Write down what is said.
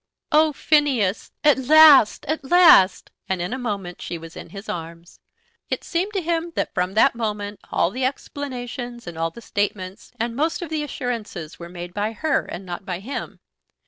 "Oh Phineas; at last, at last!" And in a moment she was in his arms. It seemed to him that from that moment all the explanations, and all the statements, and most of the assurances were made by her and not by him.